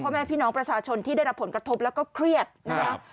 แม่พี่น้องประชาชนที่ได้รับผลกระทบแล้วก็เครียดนะครับ